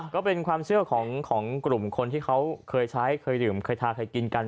ก็เป็นความเชื่อของกลุ่มคนที่เขาเคยใช้เคยดื่มเคยทาเคยกินกัน